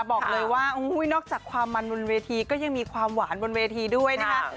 บอกเลยว่านอกจากความมันบนเวทีก็ยังมีความหวานบนเวทีด้วยนะคะ